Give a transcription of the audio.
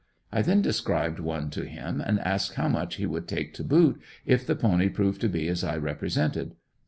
I then described one to him and asked how much he would take to boot if the pony proved to be as I represented?